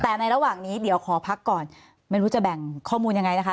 แต่ในระหว่างนี้เดี๋ยวขอพักก่อนไม่รู้จะแบ่งข้อมูลยังไงนะคะ